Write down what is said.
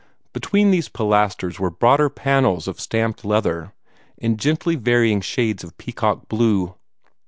Between these pilasters were broader panels of stamped leather, in gently varying shades of peacock blue.